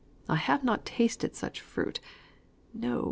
I have not tasted such fruit no!